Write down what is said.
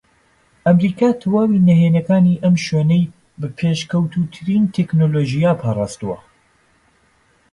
ئەمریکا تەواوی نھێنییەکانی ئەم شوێنەی بە پێشکەوتووترین تەکنەلۆژیا پارازتووە